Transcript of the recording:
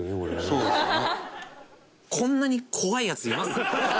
そうですよね。